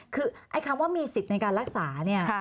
คือไอ้คำว่ามีสิทธิ์ในการรักษาเนี่ย